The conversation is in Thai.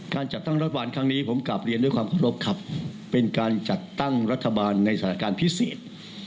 จัดตั้งรัฐบาลครั้งนี้ผมกลับเรียนด้วยความเคารพครับเป็นการจัดตั้งรัฐบาลในสถานการณ์พิเศษ